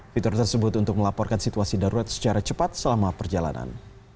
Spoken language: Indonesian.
fitur tersebut untuk melaporkan situasi darurat secara cepat selama perjalanan